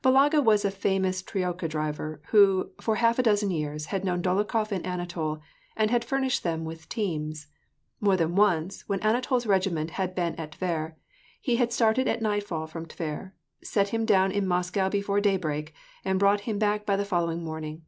Balaga was a famous troika driver, who, for half a dozen years, had known Dolokhof and Anatol, and had furnished them with teams. More than once, when Auatol's regiment had been at Tver, he had started at nightfall from Tver, set him down in Moscow before daybreak, and brought him back by the following morning.